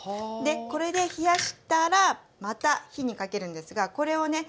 これで冷やしたらまた火にかけるんですがこれをね